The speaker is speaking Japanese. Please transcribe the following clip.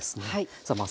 さあまあ